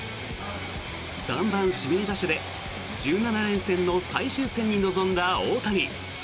３番指名打者で１７連戦の最終戦に臨んだ大谷。